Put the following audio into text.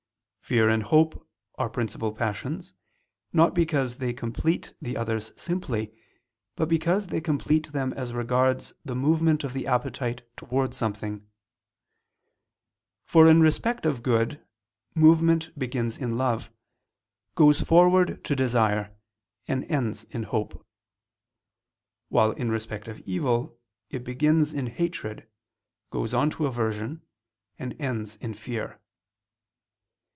Fear and hope are principal passions, not because they complete the others simply, but because they complete them as regards the movement of the appetite towards something: for in respect of good, movement begins in love, goes forward to desire, and ends in hope; while in respect of evil, it begins in hatred, goes on to aversion, and ends in fear.